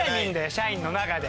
社員の中で。